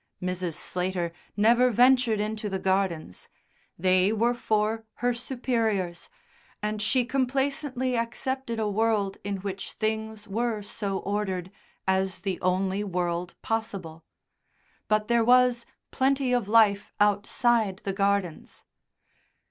Mrs. Slater never ventured into the gardens; they were for her superiors, and she complacently accepted a world in which things were so ordered as the only world possible. But there was plenty of life outside the gardens.